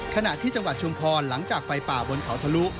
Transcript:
ขณะที่จังหวัดชุมพรหลังจากไฟป่าบนเขาทะลุ